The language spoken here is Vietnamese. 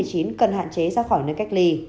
cần hạn chế ra khỏi nơi cách ly